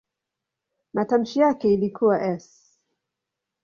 Matamshi yake ilikuwa "s".